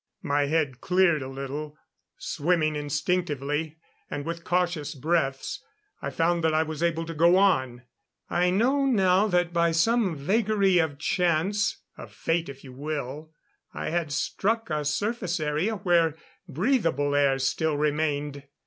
My head cleared a little; swimming instinctively, and with cautious breaths, I found that I was able to go on. I know now that by some vagary of chance of fate if you will I had struck a surface area where breathable air still remained.